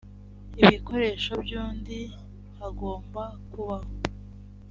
ibikoresho by undi hagomba kubaho